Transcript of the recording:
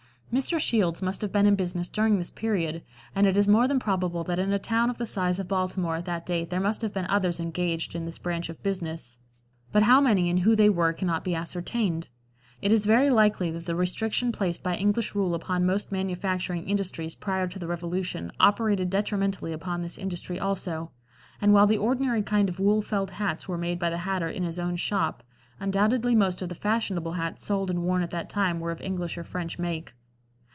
Mr. Shields must have been in business during this period, and it is more than probable that in a town of the size of Baltimore at that date there must have been others engaged in this branch of business, but how many and who they were cannot be ascertained. It is very likely that the restriction placed by English rule upon most manufacturing industries prior to the Revolution operated detrimentally upon this industry also, and while the ordinary kind of wool felt hats were made by the hatter in his own shop, undoubtedly most of the fashionable hats sold and worn at that time were of English or French make.